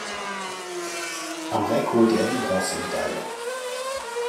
Am Reck holte er die Bronzemedaille.